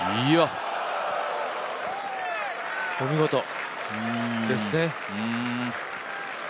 お見事、ですね。